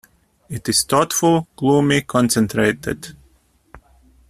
It is thoughtful, gloomy, concentrated.